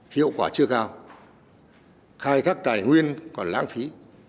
hiệu quả chưa cao khai thác tài nguyên còn lãng phí